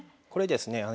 これですね